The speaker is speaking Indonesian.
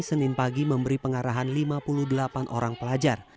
senin pagi memberi pengarahan lima puluh delapan orang pelajar